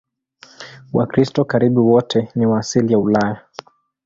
Wakristo karibu wote ni wa asili ya Ulaya.